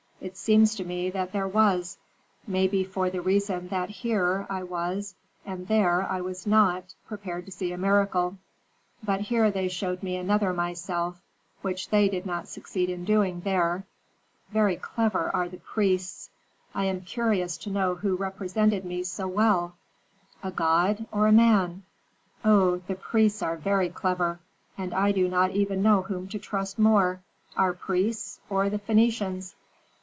It seems to me that there was, maybe for the reason that here I was, and there I was not, prepared to see a miracle. But here they showed me another myself, which they did not succeed in doing there. Very clever are the priests! I am curious to know who represented me so well, a god or a man? Oh, the priests are very clever, and I do not know even whom to trust more, our priests or the Phœnicians?